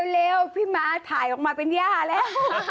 เร็วพี่ม้าถ่ายออกมาเป็นย่าแล้ว